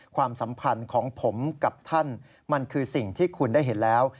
ความสัมพันธ์ของผมกับท่านมันคือสิ่งที่คุณได้เห็นแล้ว